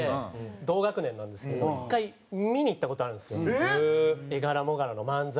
同学年なんですけど１回見に行った事あるんですよエガラモガラの漫才。